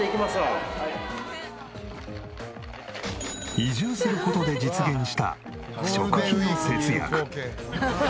移住する事で実現した食費の節約。